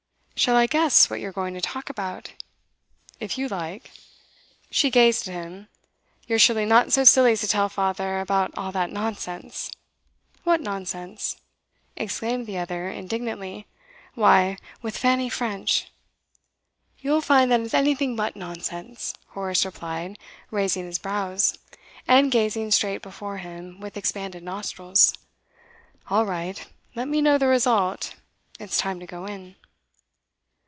'Shall I guess what you're going to talk about?' 'If you like.' She gazed at him. 'You're surely not so silly as to tell father about all that nonsense?' 'What nonsense?' exclaimed the other indignantly. 'Why, with Fanny French.' 'You'll find that it's anything but nonsense,' Horace replied, raising his brows, and gazing straight before him, with expanded nostrils. 'All right. Let me know the result. It's time to go in.